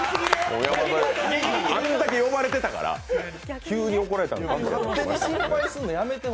あんだけ呼ばれてたから、急に怒られたんかって。